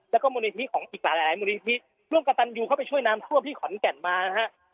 แล้วก็มูลนิธิของอีกหลายมูลนิธิทรวงกะตันยูเข้าไปช่วยน้ำทั่วพี่ขอนแก่นมานะครับ